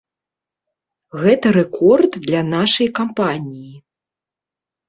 Гэта рэкорд для нашай кампаніі.